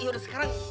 ya udah sekarang